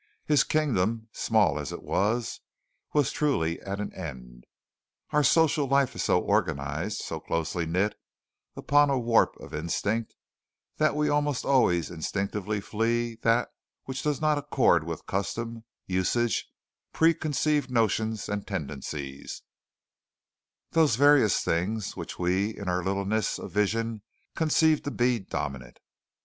His Kingdom, small as it was, was truly at an end. Our social life is so organized, so closely knit upon a warp of instinct, that we almost always instinctively flee that which does not accord with custom, usage, preconceived notions and tendencies those various things which we in our littleness of vision conceive to be dominant.